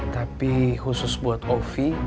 tapi khusus buat ofi